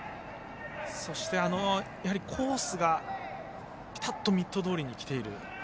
そしてコースがピタッとミットどおりにきている。